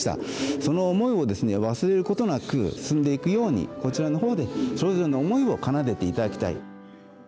その思いをですね忘れることなく進んでいくようにこちらのほうでそれぞれの思いを奏でていただきたい。